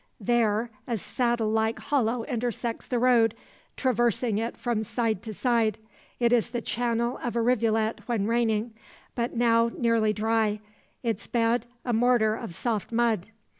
There a saddle like hollow intersects the road, traversing it from side to side. It is the channel of a rivulet when raining; but now nearly dry, its bed a mortar of soft mud.